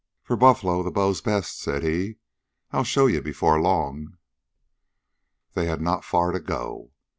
"For buffler the bow's the best," said he. "I'll show ye before long." They had not too far to go.